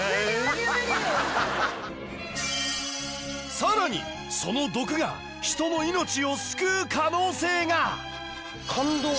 更にその毒が人の命を救う可能性が！